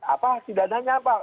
apa tindaknya apa